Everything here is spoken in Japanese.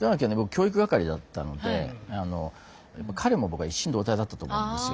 教育係だったので彼も僕は一心同体だったと思うんですよ。